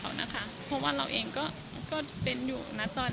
เพราะว่าเราเองก็เป็นอยู่นะตอน